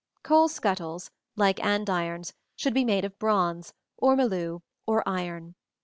Coal scuttles, like andirons, should be made of bronze, ormolu or iron.